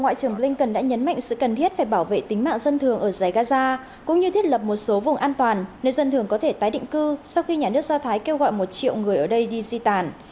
ngoại trưởng blinken đã nhấn mạnh sự cần thiết về bảo vệ tính mạng dân thường ở giải gaza cũng như thiết lập một số vùng an toàn nơi dân thường có thể tái định cư sau khi nhà nước do thái kêu gọi một triệu người ở đây đi di tản